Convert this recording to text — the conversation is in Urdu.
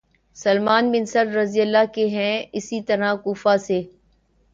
سلیمان بن سرد رض کے ہیں اسی طرح کوفہ سے